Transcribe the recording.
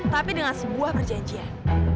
tapi dengan sebuah perjanjian